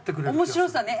面白さね。